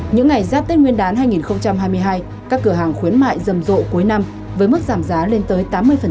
những ngày giáp tết nguyên đán hai nghìn hai mươi hai các cửa hàng khuyến mại rầm rộ cuối năm với mức giảm giá lên tới tám mươi